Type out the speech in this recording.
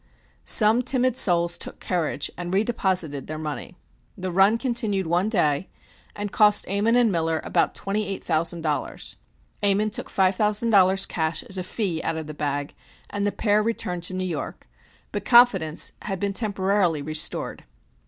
Some timid souls took courage and redeposited their money. The run continued one day and cost Ammon and Miller about twenty eight thousand dollars. Ammon took five thousand dollars cash as a fee out of the bag, and the pair returned to New York. But confidence had been temporarily restored.